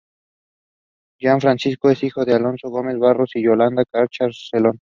Juan Francisco es hijo de Alfonso Gómez Barros y Yolanda Cerchar Celedón.